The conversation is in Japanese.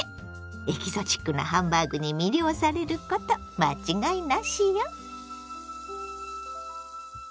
エキゾチックなハンバーグに魅了されること間違いなしよ。